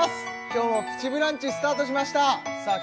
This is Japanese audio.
今日も「プチブランチ」スタートしましたさあ